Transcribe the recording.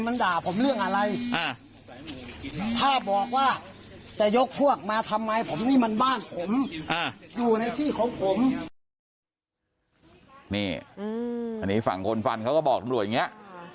นี่หันฝั่งคนฟันเขาก็บอกมูลจังหล่วยอย่างเนี่ย